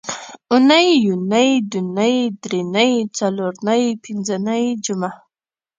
اونۍ، یونۍ، دونۍ، درېنۍ، څلورنۍ، پینځنۍ، جمعه